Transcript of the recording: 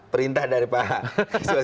perintah dari pak asyid janovanto